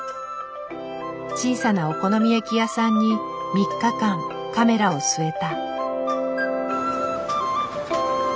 小さなお好み焼き屋さんに３日間カメラを据えた。